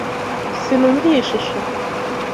Sinumva iyi shusho.